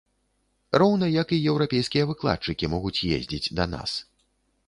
Роўна як і еўрапейскія выкладчыкі могуць ездзіць да нас.